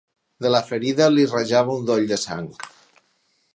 De la ferida li rajava un doll de sang.